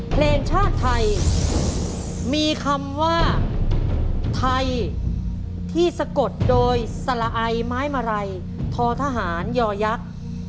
เพลงชาติไทยมีคำว่าไทยที่สะกดโดยสละไอไม้มาลัยทอทหารยอยักษ์